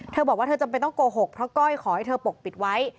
เธอบอกว่าเธอจำเป็นต้องโกหกเพราะก้อยขอให้เธอปกปิดไว้